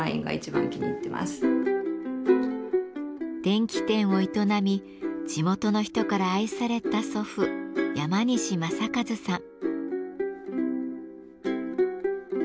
電気店を営み地元の人から愛された祖父・山西正一さん。